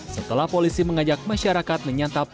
setelah polisi mengajak masyarakat menyantap